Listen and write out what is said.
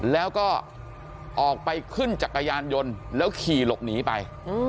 แล้วก็ออกไปขึ้นจักรยานยนต์แล้วขี่หลบหนีไป